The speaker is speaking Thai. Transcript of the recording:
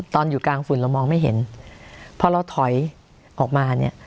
ตอนอยู่กลางฝุ่นเรามองไม่เห็นพอเราถอยออกมาเนี่ย